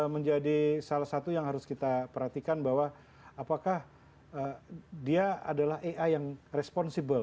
menjadi salah satu yang harus kita perhatikan bahwa apakah dia adalah ai yang responsibel